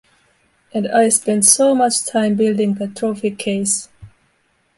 And I spent so much time building that trophy case.